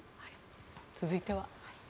続いては。